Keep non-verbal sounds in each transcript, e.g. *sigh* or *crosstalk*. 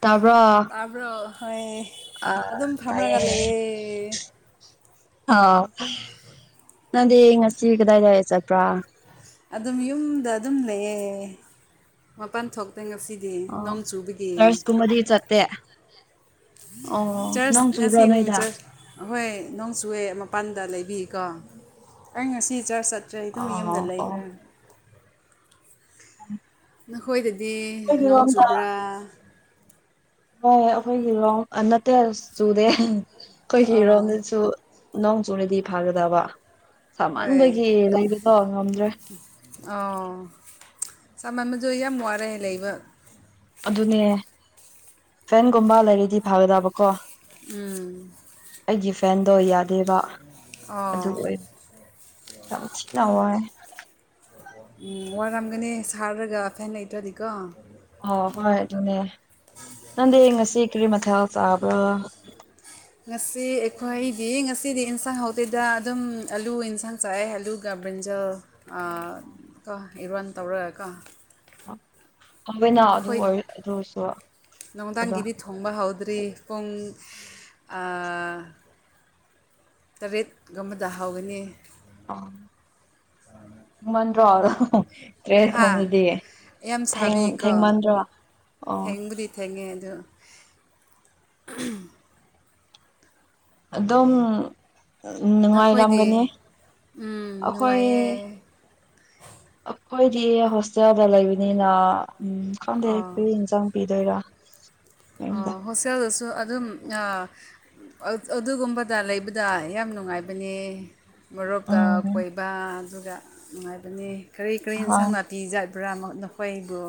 ꯇꯥꯕ꯭ꯔꯣ ꯐꯥꯕ꯭ꯔꯣ ꯍꯣꯏ ꯑ ꯑꯗꯨꯝ ꯇꯥꯏꯌꯦ ꯐꯝꯃꯒ ꯂꯩꯌꯦꯦ ꯑꯥꯎ ꯅꯪꯗꯤ ꯉꯁꯤ ꯀꯗꯥꯏꯗꯥꯥꯏꯗꯥꯏ ꯆꯠꯄ꯭ꯔꯥ ꯑꯗꯨꯝ ꯌꯨꯝꯗ ꯑꯗꯨꯝ ꯂꯩꯌꯦ ꯃꯄꯥꯟ ꯊꯣꯛꯇꯦ ꯉꯁꯤ ꯑꯣ ꯅꯔꯁꯀꯨꯝꯕꯗꯤ ꯆꯠꯇꯦ ꯑꯣ ꯅꯪ ꯆꯕ꯭ꯔ ꯅꯣꯣꯏꯗ ꯍꯣꯏ ꯅꯣꯡ ꯆꯨꯋꯦ ꯃꯄꯥꯟꯗ ꯂꯩꯕꯤꯀꯣ ꯑꯩ ꯉꯁꯤ ꯆꯔꯆ ꯆꯠ ꯆ ꯑꯗꯨꯝ ꯌꯗ ꯑꯣ ꯂꯩꯈ ꯎ ꯅꯈꯣꯏꯗꯗꯤ ꯅꯣꯡ ꯆꯨꯕ꯭ꯔꯥ ꯍꯣꯏ ꯑꯩꯈꯣꯏꯒꯤꯔꯣꯝ ꯅꯠꯇꯦ ꯆꯨꯗꯦ ꯑꯥ ꯑꯩꯈꯣꯏꯒꯤꯔꯣꯝꯗ ꯆꯨ ꯅꯣꯡ ꯆꯨꯔꯗꯤ ꯐꯥꯒꯗꯕ ꯍꯣꯏ ꯁꯥꯃꯟꯕꯒꯤ ꯂꯩꯕꯗꯣ ꯉꯝꯗ꯭ꯔꯦ ꯑꯣ ꯆꯝꯃ ꯑꯃꯁ ꯌꯥꯝ ꯋꯥꯔꯦ ꯂꯩꯕ ꯑꯗꯨꯅꯦ ꯐꯦꯟꯒꯨꯝꯕ ꯂꯩꯔꯗꯤ ꯐꯒꯗꯕꯀꯣ ꯎꯝ ꯑꯩꯒꯤ ꯐꯦꯟꯗꯣ ꯌꯥꯗꯦꯕ ꯑꯣ ꯑꯗꯨ ꯑꯣꯏ ꯌꯥꯝ ꯊꯤꯅ ꯋꯥꯏ ꯎꯝ ꯋꯥꯔꯝꯒꯅꯤ ꯁꯥꯔꯔꯒ ꯐꯦꯟ ꯂꯩꯇ꯭ꯔꯗꯤꯀꯣ ꯑꯣ ꯍꯣꯏ ꯑꯗꯨꯅꯦ ꯅꯪꯗꯤ ꯉꯁꯤ ꯀꯔꯤ ꯃꯊꯦꯜ ꯆꯥꯕ꯭ꯔꯥ ꯉꯁꯤ ꯑꯩꯈꯣꯏꯒꯤ ꯉꯁꯤꯗꯤ ꯌꯦꯟꯁꯥꯡ ꯍꯥꯎꯗꯦꯗ ꯑꯗꯨꯝ ꯑꯂꯨ ꯏꯟꯁꯥꯡ ꯆꯥꯏꯌꯦ ꯑꯂꯨ ꯀꯕ꯭ꯔꯤꯟꯖ ꯑ ꯏꯔꯣꯟ ꯇꯧꯔꯦꯒ *unintelligible* ꯅꯨꯡꯗꯥꯡꯒꯤꯗꯤ *inaudible* ꯊꯣꯡꯕ ꯍꯧꯗ꯭ꯔꯤ ꯄꯨꯡ ꯑ ꯇꯔꯦꯠ ꯒꯨꯝꯕꯗ ꯍꯥꯎꯒꯅꯤ ꯃꯟꯗ꯭ꯔꯣ ꯇ꯭ꯔꯦ ꯍꯥ ꯈꯣꯡꯉꯗꯤ ꯌꯥꯝ ꯊꯦꯡ ꯁꯥꯕꯤꯀꯣ ꯊꯦꯡꯃꯟꯗ꯭ꯔꯣ ꯑꯣ ꯊꯦꯡꯕꯨꯗꯤ ꯊꯦꯡꯉꯦ ꯑꯗꯣ ꯑꯗꯨꯝ ꯅꯨꯡꯉꯥꯏꯔꯝꯒꯅꯤ ꯅꯈꯣꯏꯗꯤ ꯎꯝ ꯑꯈꯣꯏ ꯅꯨꯡꯉꯥꯏꯌꯦ ꯑꯩꯈꯣꯏꯗꯤ ꯍꯣꯁꯇꯦꯜꯗ ꯂꯩꯕꯅꯤꯅ ꯎꯝ ꯈꯪꯗꯦ ꯑꯣ ꯀꯔꯤ ꯌꯦꯟꯁꯥꯡ ꯄꯤꯗꯣꯏꯔꯥ ꯃꯦꯝꯗ ꯍꯣꯁꯇꯦꯜꯗꯁꯨ ꯑꯗꯨꯝ ꯅꯥ ꯑꯠ-ꯑꯗꯨꯒꯨꯝꯕꯗ ꯂꯩꯕꯗ ꯌꯥꯝ ꯅꯨꯡꯉꯥꯏꯕꯅꯦ ꯃꯔꯨꯞꯀ ꯎꯝ ꯀꯣꯏꯕ ꯑꯗꯨꯒ ꯅꯨꯡꯉꯥꯏꯕꯅꯦ ꯀꯔꯤ ꯀꯔꯤ ꯍꯣꯏ ꯌꯦꯟꯁꯥꯡ ꯅꯥꯄꯤ ꯄꯤꯖꯠꯕ꯭ꯔꯥ ꯅꯈꯣꯏꯕꯨ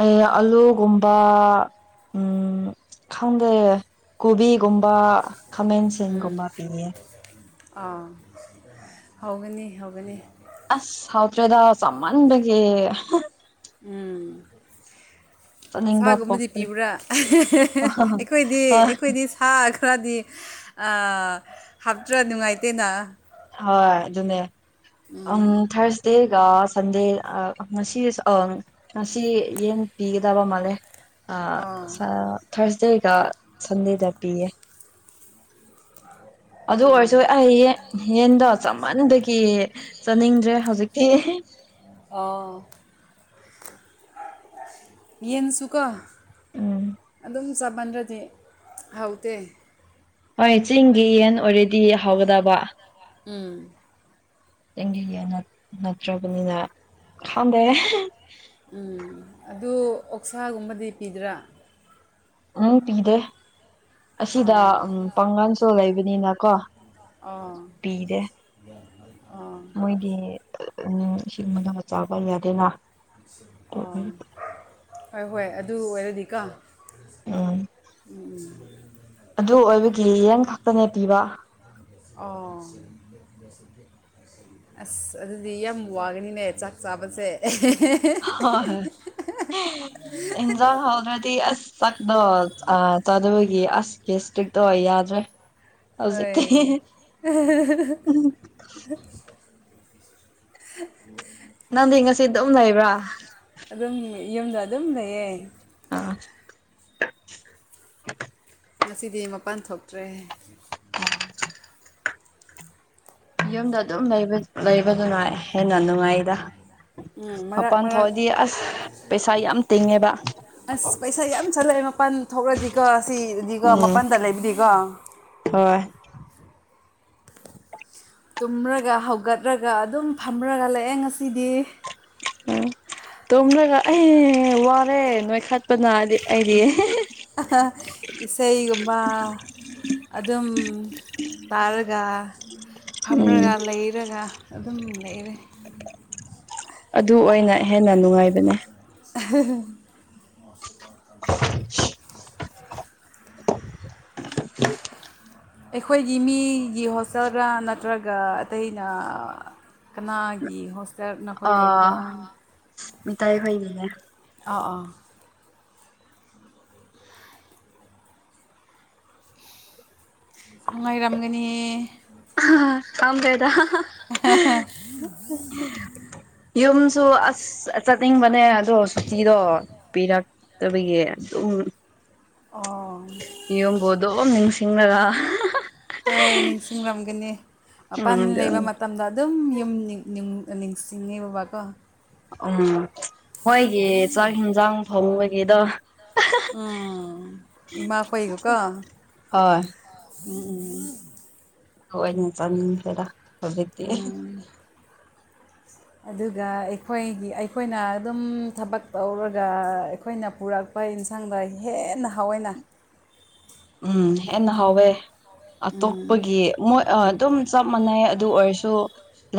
ꯑꯩ ꯑꯥꯂꯨꯒꯨꯝꯕ ꯎꯝ ꯈꯪꯗꯦ ꯀꯣꯕꯤ ꯒꯨꯝꯕ ꯎꯝ ꯈꯥꯃꯦꯟꯁꯤꯡꯒꯨꯝꯕ ꯄꯤꯌꯦ ꯑꯥ ꯍꯧꯒꯅꯤ ꯍꯧꯒꯅꯤ ꯑꯁ ꯍꯧꯥꯎꯗ꯭ꯔꯦꯗ ꯆꯃꯥꯟꯕꯒꯦ ꯎꯝ ꯆꯥꯅꯤꯡꯕ ꯁꯥꯒꯨꯝꯕꯗꯤ ꯄꯣꯛꯇ꯭ꯔꯦ ꯄꯤꯕ꯭ꯔꯥ ꯑꯩꯈꯣꯏꯗꯤ ꯍꯣꯏ ꯑꯩꯈꯣꯏꯗꯤ ꯊꯥ ꯈꯔꯗꯤ ꯑꯥ ꯍꯥꯞꯇ꯭ꯔ ꯅꯨꯡꯉꯥꯏꯇꯦꯅ ꯍꯣꯏ ꯑꯗꯨꯅꯦ ꯎꯝ ꯊꯥꯔꯁꯗꯦꯒ ꯁꯟꯗꯦ ꯉꯁꯤ ꯑ ꯉꯁꯤ ꯌꯦꯟ ꯄꯤꯒꯗꯕ ꯃꯥꯜꯂꯦ ꯑꯣ ꯊꯥꯔꯁꯗꯦꯒ ꯁꯟꯗꯦꯗ ꯄꯤꯌꯦ ꯑꯗꯨ ꯑꯣꯏꯔꯁꯨ ꯑꯩ ꯌꯦꯟꯗꯣ ꯆꯃꯟꯕꯒꯤ ꯆꯥꯅꯤꯡꯗ꯭ꯔꯦ ꯍꯧꯖꯤꯛꯇꯤ ꯑ ꯌꯦꯟꯁꯨꯀꯣ ꯎꯝ ꯑꯗꯨꯝ ꯆꯃꯟꯔꯗꯤ ꯍꯧꯇꯦ ꯍꯣꯏ ꯆꯤꯡꯒꯤ ꯌꯦꯟ ꯑꯣꯏꯔꯦꯗꯤ ꯍꯧꯒꯗꯕ ꯎꯝ ꯒꯤꯌꯦꯟ ꯅꯠꯇ꯭ꯔꯕꯅꯤꯅ ꯈꯪꯗꯦ ꯎꯝ ꯑꯗꯨ ꯑꯣꯛꯁꯥꯒꯨꯝꯕꯗꯤ ꯄꯤꯗ꯭ꯔꯥ ꯎꯝ ꯄꯤꯗꯦ ꯑꯁꯤꯗ ꯑꯥ ꯎꯝ ꯄꯥꯡꯒꯜꯁꯨ ꯂꯩꯕꯅꯤꯅꯀꯣ ꯑꯥ ꯄꯤꯗꯦ ꯑꯥ ꯃꯣꯏꯒꯤ ꯎꯝ ꯏꯁꯤꯡꯕꯗ ꯃꯆꯥꯥꯕ ꯌꯥꯗꯦꯅ ꯑꯣ ꯍꯣꯏ ꯍꯣꯏ ꯑꯗꯨ ꯑꯣꯏꯔꯗꯤꯀꯣ ꯎꯝ ꯑꯗꯨ ꯑꯣꯏꯕꯒꯤ ꯌꯦꯟ ꯈꯛꯇꯅꯦ ꯄꯤꯕ ꯑꯣ ꯑꯁ ꯑꯗꯨꯗꯤ ꯌꯥꯝ ꯋꯥꯒꯅꯤꯅꯦ ꯆꯥꯛ ꯆꯥꯕꯁꯦ ꯍꯣꯏ ꯏꯟꯖꯥꯛ ꯍꯥꯎꯗ꯭ꯔꯗꯤ ꯑꯁ ꯁꯛꯗꯣ ꯆꯥꯗꯕꯒꯤ ꯑꯁꯀꯤ ꯏꯁꯇꯤꯔꯤꯛꯇ ꯑꯣꯏ ꯌꯥꯗ꯭ꯔꯦ ꯍꯧꯖꯤꯛꯇꯤ ꯍꯣꯏ *unintelligible* ꯅꯪꯗꯤ ꯉꯁꯤ ꯑꯗꯨꯝ ꯂꯩꯕ꯭ꯔꯥ ꯑꯗꯨꯝ ꯌꯨꯝꯗ ꯑꯗꯨꯝ ꯂꯩꯌꯦ ꯑꯥ ꯉꯁꯤꯗꯤ ꯃꯄꯥꯟ ꯊꯣꯛꯇ꯭ꯔꯦ ꯌꯨꯝꯗ ꯑꯗꯨꯝ ꯂꯩꯕꯗꯨ ꯅꯨꯡꯉꯥꯏ ꯍꯦꯟꯅ ꯅꯨꯡꯉꯥꯏꯗ ꯎꯝ ꯃꯔꯛ ꯃꯄꯥꯟ ꯃꯔꯛ ꯊꯣꯛꯑꯗꯤ ꯑꯁ ꯄꯩꯁꯥ ꯌꯥꯝ ꯇꯤꯡꯉꯦꯕ ꯑꯁ ꯄꯩꯁꯥ ꯌꯥꯝ ꯆꯠꯂꯛꯑꯦ ꯃꯄꯥꯟ ꯊꯣꯛꯂꯗꯤꯒ ꯁꯤꯗꯤꯒ ꯎꯝ ꯃꯄꯥꯟꯗ ꯂꯩꯕꯗꯤꯒ ꯍꯣꯏ ꯇꯨꯝꯔꯒ ꯍꯧꯒꯠꯂꯒ ꯑꯗꯨꯝ ꯐꯝꯔꯒ ꯂꯩꯑꯦ ꯉꯁꯤꯗꯤ ꯎꯝ ꯇꯨꯝꯂꯒ ꯑꯩ ꯋꯥꯔꯦ ꯅꯣꯏꯈꯠꯄꯅꯗꯤ ꯑꯩꯗꯤ ꯏꯁꯩꯒꯨꯝꯕ ꯑꯗꯨꯝ ꯇꯥꯔꯒ ꯎꯝ ꯐꯝꯔꯒ ꯂꯩꯔꯒ ꯑꯗꯨꯝ ꯂꯩꯔꯦ ꯑꯗꯨ ꯑꯣꯏꯅ ꯍꯦꯟꯅ ꯅꯨꯡꯉꯥꯏꯕꯅꯦ *unintelligible* ꯃꯁ *unintelligible* *unintelligible* ꯑꯩꯈꯣꯏꯒꯤ ꯃꯤꯒꯤ ꯍꯣꯁꯇꯦꯜꯗ ꯅꯠꯇ꯭ꯔꯒ ꯑꯇꯩꯅ ꯀꯅꯥꯒꯤ ꯍꯣꯁ ꯑꯥ ꯃꯤꯇꯩꯈꯣꯏꯒꯤꯅꯦ ꯑꯥ ꯑꯥ ꯅꯨꯡꯉꯥꯏꯔꯝꯒꯅꯤ ꯇꯗꯦꯗ *unintelligible* ꯌꯨꯝꯁꯨ ꯑꯁ ꯆꯠꯅꯤꯡꯕꯅꯦ ꯑꯗꯣ ꯁꯨꯇꯤꯗꯣ ꯄꯤꯔꯛ ꯇꯕꯒꯤ ꯎ ꯑ ꯅꯤꯌꯣꯝꯕꯨ ꯑꯗꯨꯝ ꯅꯤꯡꯁꯤꯡꯂꯒ ꯍꯣꯏ ꯅꯤꯡꯁꯤꯡꯂꯝꯒꯅꯤ ꯎꯝ ꯃꯄꯥꯟ ꯂꯩꯕ ꯃꯠ ꯇꯝꯗ ꯑꯗꯨꯝ ꯌꯨꯝ ꯅꯤꯡ ꯌꯨꯝ ꯅꯤꯡꯁꯤꯡꯉꯦ ꯕꯥꯀꯣ ꯎꯝ ꯃꯣꯏꯒꯤ ꯆꯥꯛ ꯍꯦꯟꯖꯥꯡ ꯊꯣꯡꯕꯒꯤꯗꯣ ꯏꯃꯥꯈꯣꯏꯒ ꯀꯣ ꯍꯣꯏ ꯑꯗꯨ ꯎꯝ ꯂꯣꯏꯅ ꯆꯥꯅꯤꯡꯈꯔ꯭ꯦꯗ ꯍꯧꯖꯤꯛꯇꯤ ꯎꯝ ꯑꯗꯨꯒ ꯑꯩꯈꯣꯏꯒꯤ ꯑꯩꯈꯣꯏꯅ ꯑꯗꯨꯝ ꯊꯕꯛ ꯇꯧꯔꯒ ꯑꯩꯈꯣꯏꯅ ꯄꯨꯔꯛ ꯕ ꯏꯟꯁꯥꯡꯗ ꯍꯦꯟꯅ ꯍꯥꯎꯋꯦꯅ ꯎꯝ ꯍꯦꯟꯅ ꯍꯥꯎꯋꯦ ꯎꯝ ꯑꯇꯣꯞꯄꯒꯤ ꯃꯣꯏ ꯑꯗꯨꯝ ꯆꯞ ꯃꯥꯟꯅꯩ ꯑꯗꯨ ꯑꯣꯏꯔꯁꯨ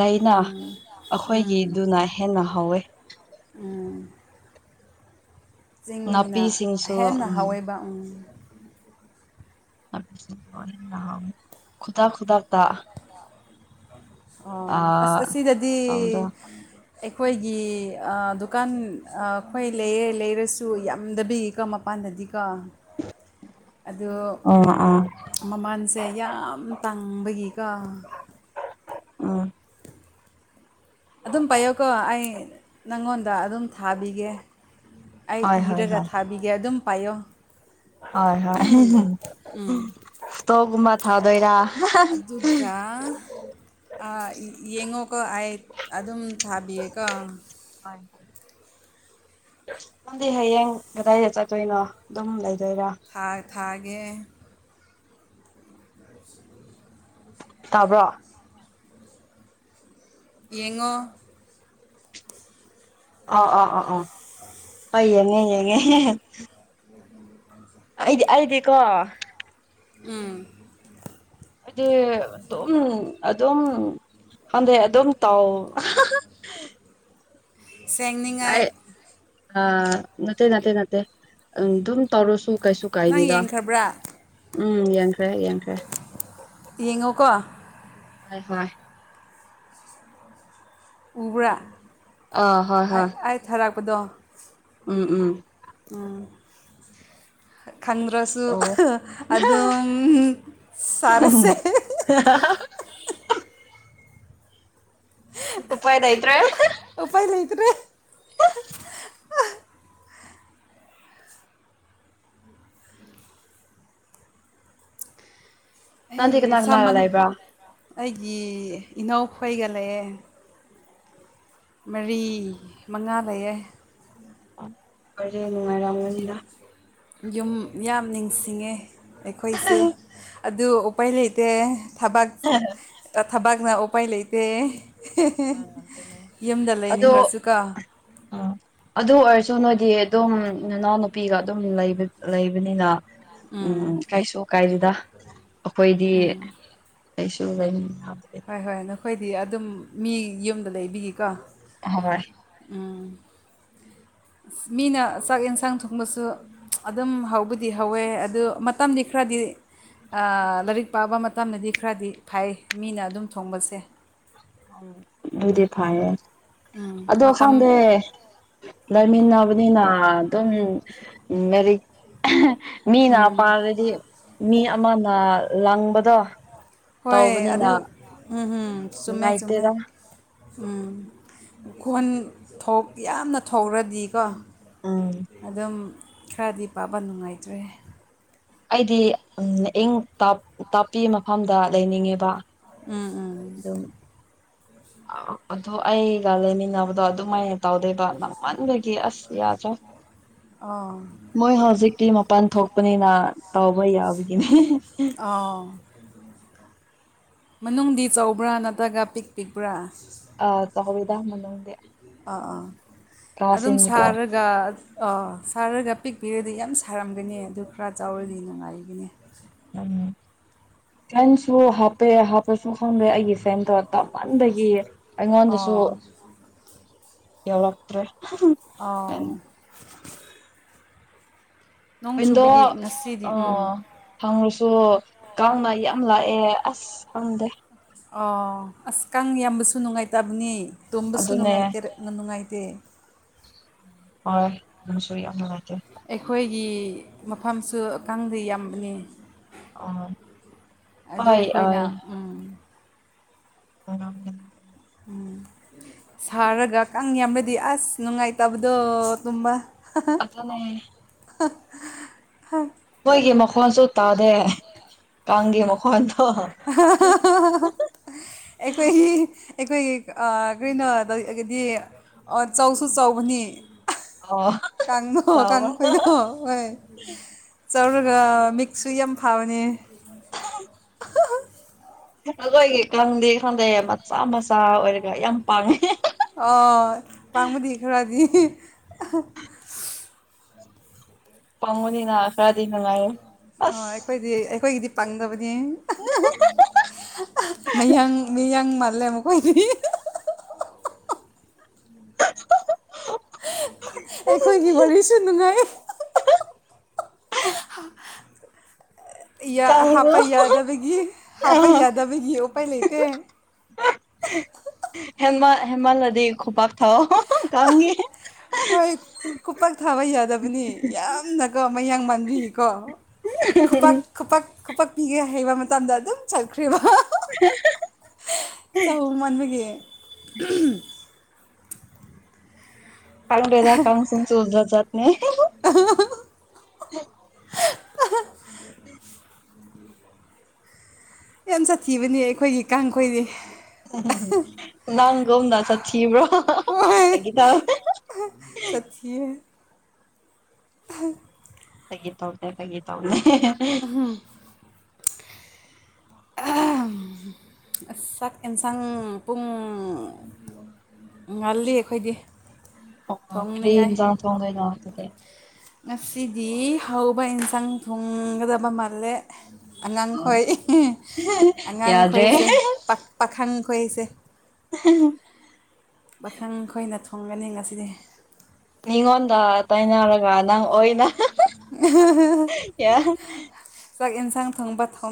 ꯂꯩꯅ ꯎꯝ ꯎꯝ ꯑꯈꯣꯏꯒꯤꯗꯨꯅ ꯍꯦꯟꯅ ꯍꯥꯎꯋꯦ ꯎꯝ ꯆꯤꯡꯒꯤꯅ ꯅꯥꯄꯤꯁꯤꯡꯁꯨ ꯍꯦꯟꯅ ꯎꯝ ꯍꯥꯎꯋꯦꯕ ꯎꯝ ꯈꯨꯗꯥꯞ ꯈꯨꯗꯥꯞ ꯑꯣ ꯑꯁ ꯑꯥ ꯑꯁꯤꯗꯗꯤ ꯇꯧꯕꯗꯣ ꯑꯩꯈꯣꯏꯒꯤ ꯑꯥ ꯗꯨꯀꯥꯟ ꯑꯥ ꯑꯩꯈꯣꯏ ꯂꯩꯌꯦ ꯂꯩꯔꯁꯨ ꯌꯥꯝꯗꯕꯤ ꯀꯣ ꯃꯞ ꯄꯥꯟꯗꯗꯤꯀꯣ *unintelligible* ꯑꯗꯤ ꯑꯣ ꯑꯣ ꯃꯃꯥꯟꯁꯦ ꯌꯥꯝ ꯇꯥꯡꯕꯒꯤꯀ ꯎꯝ ꯑꯗꯨꯝ ꯄꯥꯏꯌꯣꯀꯣ ꯑꯩ ꯅꯪꯉꯣꯟꯗ ꯑꯗꯨꯝ ꯊꯥꯕꯤꯒꯦ ꯑꯩ ꯍꯣꯏ ꯍꯣꯏ ꯏꯔꯒ ꯍꯣꯏ ꯊꯥꯕꯤꯒꯦ ꯑꯗꯨꯝ ꯄꯥꯏꯌꯣ ꯍꯣꯏ ꯍꯣꯏ ꯐꯇꯣꯒꯨꯝꯕ ꯊꯥꯎꯗꯣꯏꯔꯥ ꯑꯗꯨꯒ ꯑꯥ ꯌꯦꯡꯉꯣꯀꯣ ꯑꯩ ꯑꯗꯨꯝ ꯊꯥꯕꯤꯌꯦꯀꯣ *unintelligible* ꯅꯪꯗꯤ ꯍꯌꯦꯡ ꯀꯗꯥꯏꯗ ꯆꯠꯇꯣꯏꯅꯣ ꯑꯗꯨꯝ ꯂꯩꯗꯣꯏꯔꯥ ꯊꯥ ꯊꯥꯒꯦ ꯇꯥꯕ꯭ꯔꯣ ꯌꯦꯡꯉꯣ ꯑꯣ ꯑꯥ ꯑ ꯑꯣ *unintelligible* ꯑꯩ ꯌꯦꯡꯉꯦ ꯌꯦꯡꯉꯦ ꯑꯩꯗꯤ ꯑꯩꯗꯤꯀꯣ ꯎꯝ ꯑꯩꯗꯤ ꯑꯗꯨꯝ ꯑꯗꯨꯝ ꯈꯟꯗꯦ ꯑꯗꯨꯝ ꯇꯥꯎ ꯁꯦꯡꯅꯤꯡꯉꯥꯏ ꯑꯩ ꯑ ꯅꯠꯇꯦ ꯅꯠꯇꯦ ꯅꯠꯇꯦ ꯑꯗꯨꯝ ꯇꯧꯔꯨꯁꯨ ꯀꯩꯁꯨ ꯅꯪ ꯀꯥꯏꯗꯦꯗ ꯌꯦꯡꯈ꯭ꯔꯕ꯭ꯔꯥ ꯎꯝ ꯌꯦꯡ ꯈ꯭ꯔꯦ ꯌꯦꯡꯈ꯭ꯔꯦ ꯌꯦꯡꯉꯣꯀꯣ ꯍꯣꯏ ꯍꯣꯏ ꯎꯕ꯭ꯔꯥ ꯑꯥ ꯍꯣꯏ ꯑꯩ ꯍꯣꯏ ꯑꯩ ꯊꯥꯔꯛꯄꯗꯣ ꯎꯝ ꯎꯝ ꯎꯝ ꯈꯪꯗ꯭ꯔꯁꯨ ꯇꯧꯋꯦ ꯑꯗꯨꯝ ꯁꯥꯔꯁꯦ *unintelligible* ꯎꯄꯥꯏ ꯂꯩꯇꯔꯦ ꯎꯄꯥꯏ ꯂꯩꯇꯔꯦ ꯅꯪꯗꯤ ꯑꯩ ꯀꯅꯥ ꯀꯅꯥꯒ ꯁꯥꯃꯟ ꯂꯩꯕ꯭ꯔꯥ ꯑꯩꯒꯤ ꯏꯅꯥꯎꯈꯣꯏꯒ ꯂꯩꯑꯦ ꯃꯔꯤ ꯃꯉꯥ ꯂꯩꯌꯦ ꯋꯥꯔꯤ ꯅꯨꯡꯉꯥꯏꯔꯝꯒꯅꯤꯗ ꯌꯨꯝ ꯌꯥꯝ ꯅꯤꯡꯁꯤꯡꯉꯦ ꯑꯩꯈꯣꯏꯁꯨ ꯑꯗꯨ ꯎꯄꯥꯏ ꯂꯩꯇꯦ ꯊꯕꯛ ꯍ *unintelligible* ꯊꯕꯥꯛꯅ ꯎꯄꯥꯏ ꯂꯩꯇꯦ ꯑꯥ ꯑꯗꯨꯅꯦ ꯌꯨꯝꯗ ꯂꯩꯅꯤꯡꯂꯁꯨ ꯀꯣ ꯑꯥ ꯑꯗꯨ ꯑꯣꯏꯔꯁꯨ ꯅꯣꯏꯗꯤ ꯑꯗꯨꯝ ꯏꯅꯥꯎ ꯅꯨꯄꯤꯒ ꯑꯗꯨꯝ ꯂꯩꯕꯅꯤꯅ ꯎꯝ ꯀꯥꯏꯁꯨ ꯀꯥꯏꯗꯗ ꯑꯩꯈꯣꯏꯗꯤ ꯎꯝ ꯀꯩꯁꯨ ꯌꯥꯦ ꯍꯣꯏ ꯍꯣꯏ ꯅꯈꯣꯏꯗꯤ ꯑꯗꯨꯝ ꯃꯤ ꯌꯨꯝꯗ ꯂꯩꯕꯤꯒꯀꯣ ꯍꯣꯏ ꯎꯝ *unintelligible* ꯃꯤꯅ ꯆꯥꯛ ꯌꯦꯟꯁꯥꯡ ꯊꯣꯡꯕꯁꯨ ꯑꯗꯨꯝ ꯍꯧꯕꯗꯤ ꯍꯧꯋꯦ ꯑꯗꯨ ꯃꯇꯝꯗꯤ ꯈꯔꯗꯤ ꯂꯥꯏꯔꯤꯛ ꯄꯥꯕ ꯃꯇꯝꯗꯗꯤ ꯈꯔꯗꯤ ꯐꯩ ꯃꯤꯅ ꯑꯗꯨꯝ ꯊꯣꯡꯕꯁꯦ ꯎ ꯑꯗꯨꯗꯤ ꯐꯔꯌꯦ ꯎꯝ ꯃꯇꯝ ꯑꯗꯣꯈꯪꯗꯦ ꯂꯩꯃꯤꯟꯅꯕꯅꯤꯅ ꯑꯗꯨꯝ ꯃꯦꯔꯤꯛ ꯃꯤꯅ ꯎꯝ ꯄꯥꯔꯗꯗꯤ ꯃꯤ ꯑꯃꯅ ꯂꯪꯕꯗꯣ ꯍꯣꯏ ꯑꯗꯨ ꯇꯧꯕꯅꯤꯅ ꯎꯝ ꯎꯝ ꯆꯨꯝꯃꯦ ꯆꯨꯝꯃꯦ ꯅꯨꯡꯉꯥꯏꯇꯦꯗ ꯎꯝ ꯈꯣꯟ ꯊꯣꯛ ꯌꯥꯝꯅ ꯊꯧꯔꯗꯤꯀꯣ ꯎꯝ ꯑꯗꯨꯝ ꯈꯔꯗꯤ ꯄꯥꯕ ꯅꯨꯡꯉꯥꯏꯇ꯭ꯔꯦ ꯑꯩꯗꯤ ꯏꯪ ꯇꯥꯛꯞꯄꯤ ꯃꯐꯝꯗ ꯂꯩꯅꯤꯡꯉꯦꯕ ꯎꯝ ꯎꯝ ꯑꯗꯨ *unintelligible* ꯑꯗꯨꯣ ꯑꯩꯒ ꯂꯩꯃꯤꯅꯕꯗꯣ ꯑꯗꯨꯃꯥꯏꯅ ꯇꯧꯗꯣꯏꯕ ꯅꯝꯃꯟꯕ ꯀꯤ ꯑꯁ ꯌꯥꯗ ꯑꯥ *unintelligible* ꯃꯣꯏ ꯍꯧꯖꯤꯛꯇꯤ ꯃꯄꯥꯟ ꯊꯣꯛꯄꯅꯤꯅ ꯇꯧꯕ ꯌꯥꯕꯒꯤꯅꯦ ꯑꯥ ꯃꯅꯨꯡꯗꯤ ꯆꯥꯎꯧꯕ꯭ꯔꯥ ꯅꯠꯇ꯭ꯔꯒ ꯄꯤꯛ ꯄꯤꯛꯄ꯭ꯔꯥ ꯑ ꯆꯧꯋꯤꯗꯥ ꯃꯅꯨꯡꯗꯗꯦ ꯑꯥ ꯑꯥ ꯑꯗꯨꯝ ꯁꯥꯔꯒ ꯒ ꯁꯥꯔꯒ ꯄꯤꯛꯄꯤꯔꯗꯤ ꯌꯥꯝ ꯁꯥꯔꯝꯒꯅꯤ ꯑꯗꯨ ꯈꯔ ꯆꯥꯎꯔꯗꯤ ꯅꯨꯡꯉꯥꯏꯒꯅꯤ ꯎꯝ ꯐꯦꯟꯁꯨ ꯍꯥꯞꯄꯦ ꯍꯥꯞꯄꯁꯨ ꯈꯪꯗꯦ ꯑꯩꯒꯤ ꯐꯦꯟꯗꯣ ꯇꯞꯃꯟꯗꯒꯤ ꯑꯩꯉꯣꯟꯗꯁꯨ ꯑꯣ ꯌꯧꯔꯛꯇ꯭ꯔꯦ ꯑꯥ ꯅꯣꯡ ꯆꯨꯕꯒꯤ ꯉꯁꯤꯗꯤ ꯎꯝ ꯍꯪꯉꯨꯁꯨ ꯀꯪꯅ ꯌꯥꯝ ꯂꯥꯛꯑꯦ ꯑꯁ ꯀꯪꯗꯦ ꯑꯣ ꯑꯁ ꯀꯥꯡ ꯌꯥꯝꯕꯁꯨ ꯅꯨꯡꯉꯥꯏꯇꯕꯅꯦ ꯇꯣꯝꯕꯁꯨ ꯑꯗꯨꯅꯦ ꯅꯨꯡꯉꯥꯏꯇꯦ ꯅꯨꯡꯉꯥꯏꯇꯦ ꯍꯣꯏ ꯑꯃꯁꯨ ꯌꯥꯝ ꯅꯨꯡꯉꯥꯏꯖꯦ ꯑꯩꯈꯣꯏꯒꯤ ꯃꯐꯝꯁꯨ ꯀꯥꯡꯗꯤ ꯌꯥꯝꯕꯅꯤ ꯑꯥ ꯑꯗꯨ ꯍꯣꯏ ꯑꯩꯈꯣꯏꯅ ꯎꯝ ꯑꯣ ꯎꯝ *unintelligible* ꯁꯥꯔꯒ ꯀꯥꯡ ꯌꯥꯝꯕꯗꯤ ꯑꯁ ꯅꯨꯡꯉꯥꯏꯇꯕꯗꯣ ꯇꯨꯝꯕ *unintelligible* ꯑ *unintelligible* ꯃꯣꯏꯒꯤ ꯃꯈꯣꯟꯁꯨ ꯇꯥꯗꯦ ꯀꯥꯡꯒꯤ ꯃꯈꯣꯟꯗꯣ *unintelligible* ꯑꯩꯈꯣꯏꯒꯤ ꯑꯩꯈꯣꯏꯒꯤ ꯀꯔꯤꯅꯣ ꯇꯧꯒꯗꯤ ꯑꯣ ꯆꯧꯁꯨ ꯆꯧꯕꯅꯤ ꯑꯣ ꯀꯥꯡꯉꯣ ꯀꯥꯡ ꯇꯥꯕ꯭ꯔꯥ ꯀꯣꯏꯗꯣ ꯍꯣꯏ ꯆꯧꯔꯒ ꯃꯤꯛꯁꯨ ꯌꯥꯝ ꯐꯕꯅꯦ ꯎ *inaudible* ꯑꯩꯈꯣꯏꯒꯤ ꯀꯪꯗꯤ ꯈꯪꯗꯩ ꯃꯆꯥ ꯃꯆꯥ ꯑꯣꯏꯔꯒ ꯌꯥꯝ ꯄꯥꯡꯉꯦ ꯑꯣ ꯄꯥꯡꯕꯨꯗꯤ ꯈꯔꯥꯗꯤ ꯄꯉꯨꯅꯤꯅ ꯑꯈꯔꯥꯗꯤꯅ ꯅꯨꯡꯉꯔꯦ ꯑ ꯑꯩꯈꯣꯏꯗꯤ ꯑꯩꯈꯣꯏꯒꯤꯗꯤ ꯄꯥꯡꯗꯕꯅꯤ ꯃꯌꯥꯡ ꯃꯌꯥꯡ ꯃꯥꯜꯂꯦ ꯃꯈꯣꯏꯗꯤ *unintelligible* ꯑꯩꯈꯣꯏꯒꯤ ꯋꯥꯔꯤꯁꯨ ꯅꯨꯡꯉꯥꯏ *unintelligible* ꯀꯥꯡꯁꯨ ꯍꯥꯞꯄ ꯌꯥꯗꯕꯒꯤ ꯍꯥꯞꯄ ꯑꯥ ꯌꯥꯗꯕꯒꯤ ꯎꯄꯥꯏ ꯂꯩꯇꯦ ꯍꯦꯃꯜ ꯍꯦꯃꯜꯂꯗꯤ ꯈꯣꯄꯥꯛ ꯊꯥꯎ ꯀꯪꯉꯦ ꯍꯣꯏ ꯈꯨꯄꯥꯛꯥꯛ ꯊꯥꯕ ꯌꯥꯗꯕꯅꯤ ꯌꯥꯝꯅꯀꯣ ꯃꯌꯥꯡ ꯃꯥꯟꯕꯤꯀꯣ *inaudible* ꯈꯨꯄꯛ ꯈꯨꯄꯛꯄꯤꯒ ꯍꯩꯕ ꯃꯇꯝꯗ ꯑꯗꯨꯝ ꯆꯠꯈ꯭ꯔꯦꯕ ꯎ ꯆꯍ ꯃꯕꯒꯤ ꯀꯥꯎꯟ ꯑꯣꯏ ꯀꯥꯎꯁꯨꯝ ꯆꯣꯁꯂ ꯆꯅꯦ ꯑ ꯌꯥꯝ ꯁꯥꯊꯤꯕꯅꯦ ꯑꯩꯈꯣꯏꯒꯤ ꯀꯥꯡꯈꯣꯏꯗꯤ ꯎꯝ ꯅꯪꯒꯣꯝꯗ ꯆꯠꯁꯤꯕ꯭ꯔꯣꯒꯤ ꯇ ꯆꯠꯈꯤ ꯇꯒꯤ ꯇꯧꯗꯦ ꯇꯒꯤ ꯇꯧꯗꯦ ꯎꯝ *unintelligible* ꯆꯥꯛ ꯌꯦꯟꯁꯥꯡ ꯄꯨꯡ ꯉꯜꯂꯤ ꯑꯩꯈꯣꯏꯗꯤ ꯑꯣ ꯊꯣꯡꯅꯤꯡꯉꯥꯏ ꯀ꯭ꯔꯔꯤꯟꯖꯥꯎ ꯊꯣꯡꯒ ꯉꯁꯤꯗꯤ ꯍꯧꯕ ꯏꯟꯁꯥꯡ ꯊꯣꯡꯒꯗꯕ ꯃꯥꯜꯂꯦ ꯎꯝ ꯑꯉꯥꯡꯈꯣꯏ ꯌꯥꯗ꯭ꯔꯦ ꯑꯉꯥꯡꯈꯣꯏꯁꯦ ꯄꯥꯈꯪ ꯈꯣꯏꯁꯦ ꯎ *inaudible* ꯄꯥꯪ ꯈꯣꯏꯅ ꯊꯣꯡꯒꯅꯤ ꯉꯁꯤꯗꯤ ꯃꯤꯉꯣꯟꯗ ꯇꯥꯏꯅꯔꯒ ꯅꯪ ꯑꯣꯏꯅ ꯌꯥ ꯆꯥꯛ ꯌꯦꯟꯁꯥꯡ ꯊꯣꯡꯕ ꯊꯣꯡ